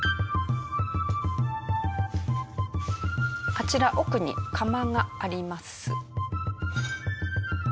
あちら奥に窯があります。